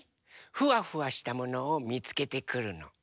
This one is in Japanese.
フワフワしたものをみつけてくるの。